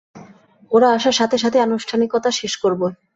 ওরা আসার সাথে সাথেই আনুষ্ঠানিকতা শেষ করবে।